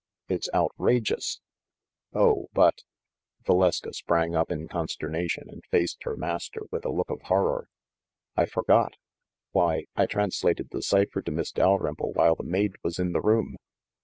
It's out rageous ! "Oh, but —" Valeska sprang up in consternation and faced her master with a look of horror. "I for got ! Why, I translated the cipher to Miss Dalrymple while the maid was in the room